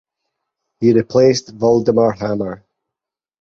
He replaced Voldemar Hammer.